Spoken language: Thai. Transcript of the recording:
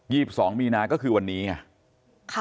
อ่าบอก๒๒มีนาคือวันนี้ค่ะ